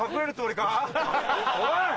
おい！